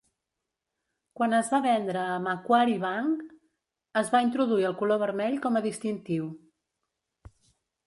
Quan es va vendre a Macquarie Bank, es va introduir el color vermell com a distintiu.